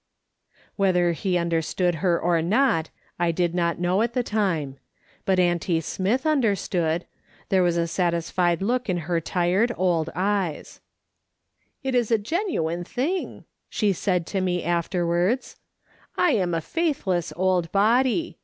Whether he understood her or not, I did not know at the time ; but auntie Smith understood ; there was a satisfied look in her tired old eyes. N 178 MRS. SOLOMON SMITH LOO KING ON. " It is a genuine thing," she said to me afterwards. I'm a faithless old body.